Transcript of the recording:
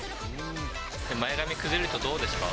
前髪崩れるとどうですか？